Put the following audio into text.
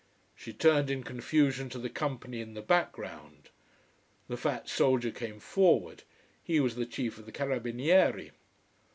She turned in confusion to the company in the background. The fat soldier came forward, he was the chief of the carabinieri.